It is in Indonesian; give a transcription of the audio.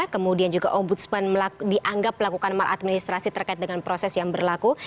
kemudian juga ombudsman dianggap melakukan maladministrasi terkait dengan proses yang berlaku